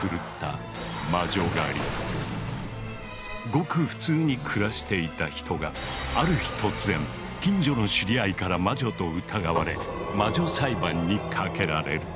ごく普通に暮らしていた人がある日突然近所の知り合いから魔女と疑われ魔女裁判にかけられる。